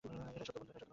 এটা সত্য বন্ধু।